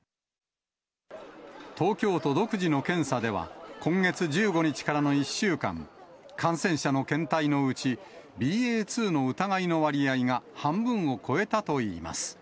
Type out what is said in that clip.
東京都独自の検査では、今月１５日からの１週間、感染者の検体のうち、ＢＡ．２の疑いの割合が半分を超えたといいます。